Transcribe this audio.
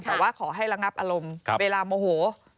แต่ว่าขอให้ระงับอารมณ์เวลาโมโห